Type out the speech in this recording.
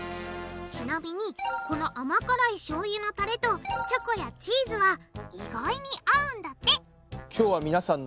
ちなみにこの甘辛いしょうゆのたれとチョコやチーズは意外に合うんだって！